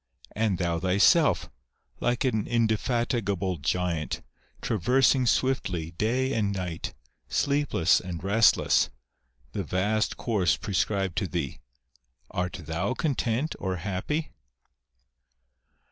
And thou thyself, like an indefatigable giant, traversing swiftly, day and night, sleepless and restless, the vast course prescribed to thee ; art thou content or happy